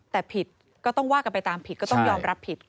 แต่ผิดก็ต้องว่ากันไปตามผิดก็ต้องยอมรับผิด